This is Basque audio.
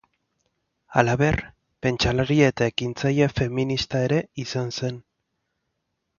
Halaber, pentsalari eta ekintzaile feminista ere izan zen.